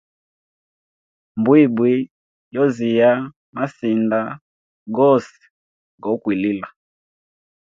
Mbwimbwi yoziya masinda gose ga ukwilila.